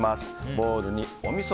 ボウルにおみそ。